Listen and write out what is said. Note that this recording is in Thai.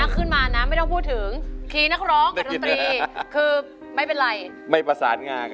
คือร้องได้ให้ร้าง